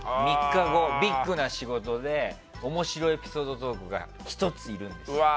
３日後にビッグな仕事で面白エピソードトークが１ついるんです。